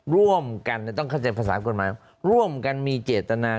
ร่วมกันต้องเข้าใจภาษากฎหมายร่วมกันมีเจตนา